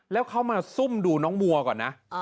แล้วเขามาซุ่มดูน้องมัวก่อนนะ